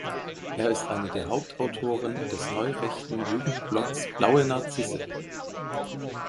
Er ist einer der Hauptautoren des neurechten Jugendblogs „Blaue Narzisse“.